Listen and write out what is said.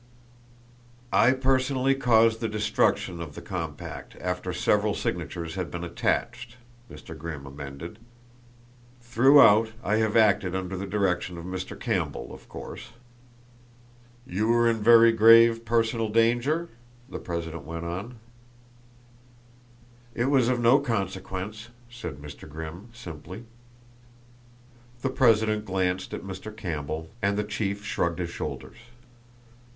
"I personally caused the destruction of the compact after several signatures had been attached," Mr. Grimm amended. "Throughout I have acted under the direction of Mr. Campbell, of course." "You were in very grave personal danger?" the president went on. "It was of no consequence," said Mr. Grimm simply. The president glanced at Mr. Campbell and the chief shrugged his shoulders.